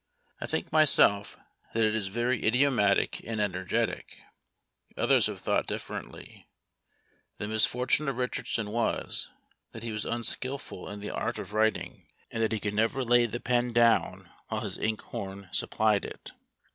I think myself that it is very idiomatic and energetic; others have thought differently. The misfortune of Richardson was, that he was unskilful in the art of writing, and that he could never lay the pen down while his inkhorn supplied it.